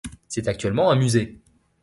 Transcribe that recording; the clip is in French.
C’est actuellement un musée.